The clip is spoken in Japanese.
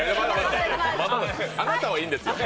まだよ、あなたはいいんですよ。